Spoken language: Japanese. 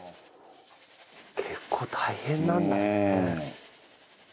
結構大変なんだね。